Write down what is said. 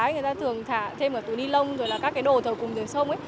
người dân thường thả thêm tủ ni lông và các đồ thở cùng dưới sông